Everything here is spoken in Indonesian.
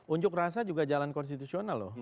unjuk rasa juga jalan konstitusional loh